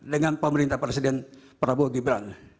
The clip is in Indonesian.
dengan pemerintah presiden prabowo gibran